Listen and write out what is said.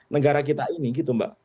negara kita ini gitu mbak